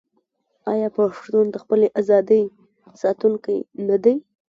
آیا پښتون د خپلې ازادۍ ساتونکی نه دی؟